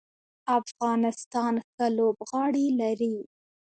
افغانستان ښه لوبغاړي لري.